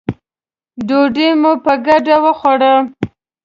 ډوډۍ مو په ګډه وخوړه.